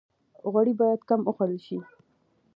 غوړي باید کم وخوړل شي